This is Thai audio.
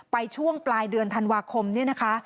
ช่วงปลายเดือนธันวาคมเนี่ยนะคะ